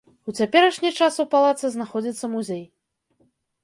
У цяперашні час у палацы знаходзіцца музей.